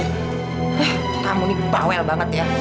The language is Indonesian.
eh kamu nih pawel banget ya